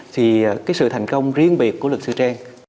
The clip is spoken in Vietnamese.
thì cái sự thành công riêng biệt của lực sư trang